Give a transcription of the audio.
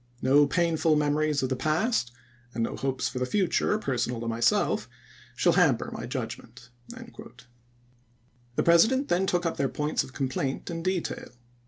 No painful memories of the past and no hopes for 1863. the future, personal to myself, shall hamper my judgment." The President then took up their points of com plaint in detail.